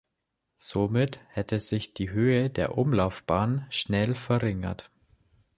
Somit hätte sich die Höhe der Umlaufbahn schnell verringert.